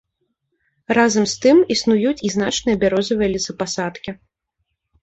Разам з тым існуюць і значныя бярозавыя лесапасадкі.